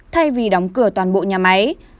thay vì đóng cửa toàn bộ nhà máy